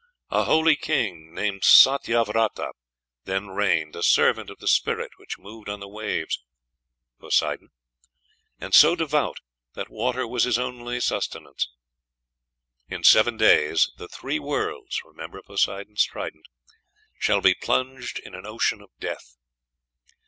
A holy king, named Satyavrata, then reigned, a servant of the spirit which moved on the waves" (Poseidon?), "and so devout that water was his only sustenance.... In seven days the three worlds" (remember Poseidon's trident) "shall be plunged in an ocean of death."...